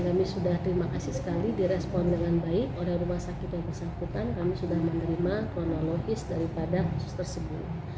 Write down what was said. kami sudah terima kasih sekali direspon dengan baik oleh rumah sakit yang bersangkutan kami sudah menerima kronologis daripada kasus tersebut